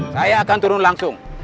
saya akan turun langsung